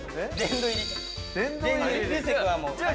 殿堂入り。